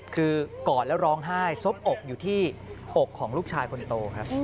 คือกอดแล้วร้องไห้ซบอกอยู่ที่อกของลูกชายคนโตครับ